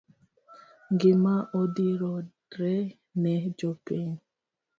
Ngima oridore ne jopiny